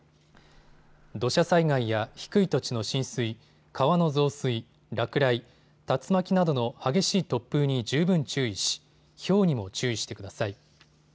土砂災害や低い土地の浸水、川の増水、落雷、竜巻などの激しい突風に十分注意しひょうにも注意してください。